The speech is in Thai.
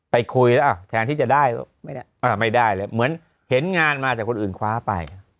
ไปคุยแล้วแทนที่จะได้ไม่ได้เลยเหมือนเห็นงานมาจากคนอื่นคว้าไป